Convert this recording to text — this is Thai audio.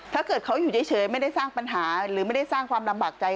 ถ้าเกิดเขาอยู่เฉยไม่ได้สร้างปัญหาหรือไม่ได้สร้างความลำบากใจ